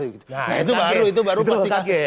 itu baru pasti